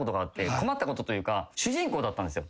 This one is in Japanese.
困ったことというか主人公だったんですよ。